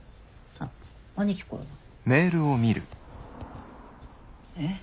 あっ兄貴からだ。え？